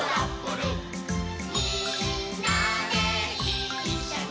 「みんなでいっしょに」